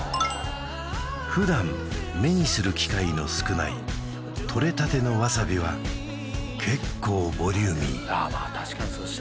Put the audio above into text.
普段目にする機会の少ないとれたてのわさびは結構ボリューミーそれでね